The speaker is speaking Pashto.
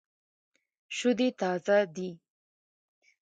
شودې تازه دي.